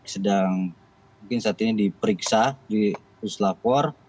sedang mungkin saat ini diperiksa di puslap empat